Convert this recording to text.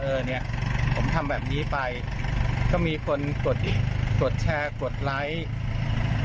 เออเนี้ยผมทำแบบนี้ไปก็มีคนกดแชร์กดไลค์